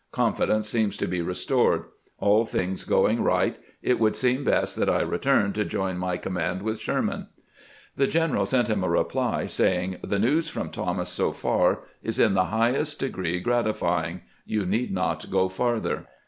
Confidence seems to be restored. ... All things going right. It would seem best that I return to join my command with Sher man." The general sent him a reply, saying: "The news from Thomas so far is in the highest degree grati fying. You need not go farther."